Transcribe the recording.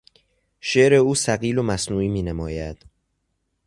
شعر او ثقیل و مصنوعی مینماید.